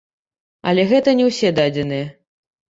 Але гэта не ўсе дадзеныя.